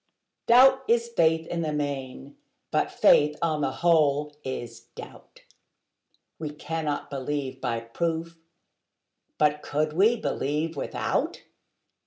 Doubt is faith in the main: but faith, on the whole, is doubt: We cannot believe by proof: but could we believe without?